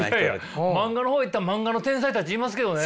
漫画の方行ったら漫画の天才たちいますけどね。